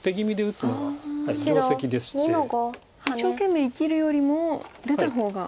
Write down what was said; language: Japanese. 一生懸命生きるよりも出た方が。